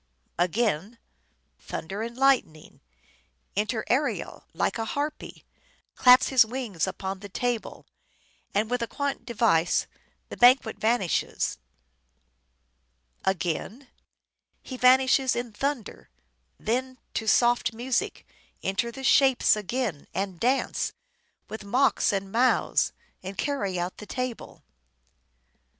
Again :—'' Thunder and lightning. Enter Ariel, like a harpy ; claps his wings upon the table ; and with a quaint device, the banquet vanishes," 33 5M " SHAKESPEARE " IDENTIFIED Again :—" He vanishe* in thunder ; then, to soft music, enter the Shapes again, and dance, with mocks and mows, and carry out the table."